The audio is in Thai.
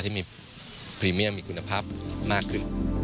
ที่มีพรีเมียมมีคุณภาพมากขึ้น